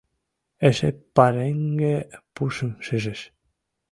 Эше пареҥге пушым шижеш.